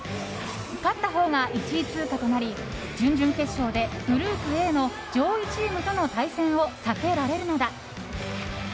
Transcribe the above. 勝ったほうが１位通過となり準々決勝でグループＡの上位チームとの対戦を避けられるのだ。